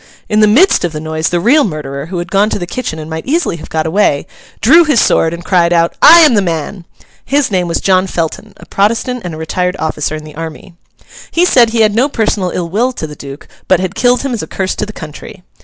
In the midst of the noise, the real murderer, who had gone to the kitchen and might easily have got away, drew his sword and cried out, 'I am the man!' His name was John Felton, a Protestant and a retired officer in the army. He said he had had no personal ill will to the Duke, but had killed him as a curse to the country.